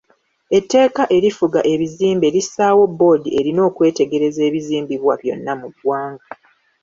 Etteeka erifuga ebizimbe lissaawo bboodi erina okwetegereza ebizimbibwa byonna mu ggwanga.